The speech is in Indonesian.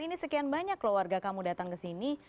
ini sekian banyak loh warga kamu datang ke sini